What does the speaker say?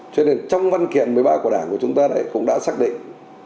cho nên trong văn kiện một mươi ba của đảng của chúng ta cũng đã xác định